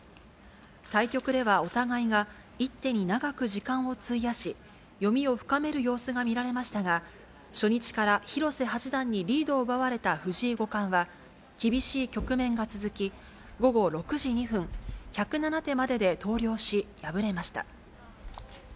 対局ではお互いが一手に長く時間を費やし、読みを深める様子が見られましたが、初日から広瀬八段にリードを奪われた藤井五冠は、厳しい局面が続き、午後６時２分、１０７手までで投了し、敗れました。